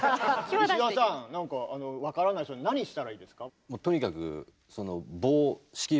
石田さんなんか分からないそうで何したらいいですか？